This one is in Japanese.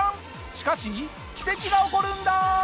しかし奇跡が起こるんだ！